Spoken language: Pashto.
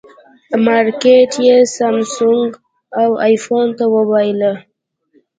مارکېټ یې سامسونګ او ایفون ته وبایله.